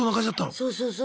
そうそうそう！